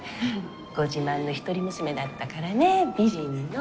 ご自慢の一人娘だったからね美人の。